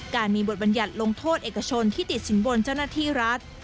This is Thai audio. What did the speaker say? การมีบทบัญญัติลงโทษเอกชนที่ติดสินบนเจ้าหน้าที่รัฐ